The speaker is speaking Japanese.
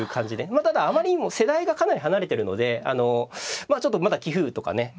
まあただあまりにも世代がかなり離れてるのであのまあちょっとまだ棋風とかね